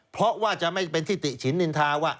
เพราะว่าจะไม่เป็นที่ติฉินนินทาว่า